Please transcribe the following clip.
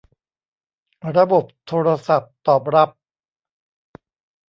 ระบบโทรศัพท์ตอบรับ